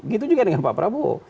gitu juga dengan pak prabowo